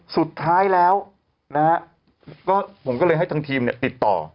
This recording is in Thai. สุดท้ายแล้วนะฮะก็ผมก็เลยให้ทางทีมเนี่ยติดต่อ